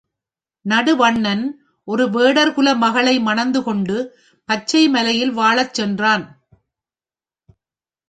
நடுவண்ணன் ஒரு வேடர்குல மகளை மணந்து கொண்டு பச்சை மலையில் வாழச் சென்றான்.